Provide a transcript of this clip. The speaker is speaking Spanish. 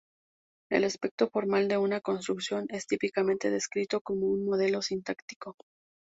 El aspecto formal de una construcción es típicamente descrito como un modelo sintáctico.